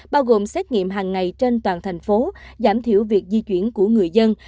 bao gồm xét nghiệm hàng ngày trên toàn thành phố giảm thiểu việc di chuyển của người dân